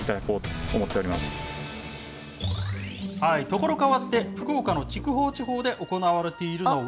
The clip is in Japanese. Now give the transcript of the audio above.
所変わって、福岡の筑豊地方で行われているのは。